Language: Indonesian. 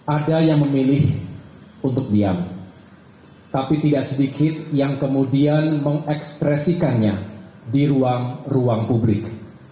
ada yang memilih untuk diam tapi tidak sedikit yang kemudian mengekspresikannya di ruang ruang publik